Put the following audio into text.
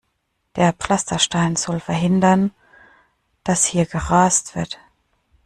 Der Pflasterstein soll verhindern, dass hier gerast wird.